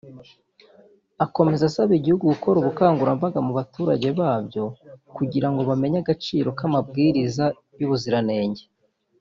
Akomeza asaba ibihugu gukora ubukangurambaga mu baturage babyo kugira ngo bamenye agaciro k’amabwiriza y’ubuziranenge